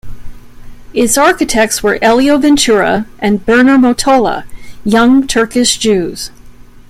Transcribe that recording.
Its architects were Elyo Ventura and Bernar Motola, young Turkish Jews.